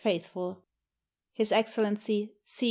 FAITHFULL. His Excellency C.